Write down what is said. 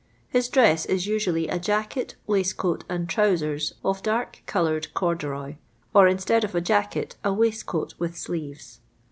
His dress is usually a jacket, waistcoat, and trowsers of dark coloured corduroy ; or instead of a jacket a waistcoat with sleeves.